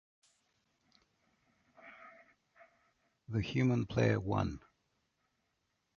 The human player won.